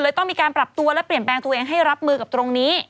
ต้องมีการปรับตัวและเปลี่ยนแปลงตัวเองให้รับมือกับตรงนี้